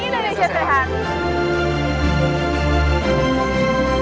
desa sehat indonesia sehat